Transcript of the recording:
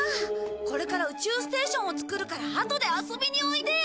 これから宇宙ステーションを作るからあとで遊びにおいでよ。